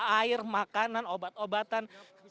air makanan obat obatan